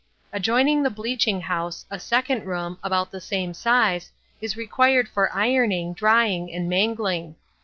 Adjoining the bleaching house, a second room, about the same size, is required for ironing, drying, and mangling.